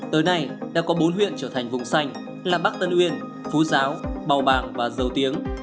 tới nay đã có bốn huyện trở thành vùng xanh là bắc tân uyên phú giáo bào bàng và dầu tiếng